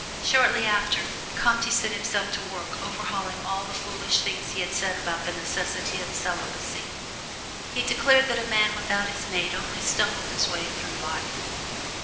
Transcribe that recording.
Shortly after, Comte set himself to work overhauling all the foolish things he had said about the necessity of celibacy. He declared that a man without his mate only stumbled his way through life.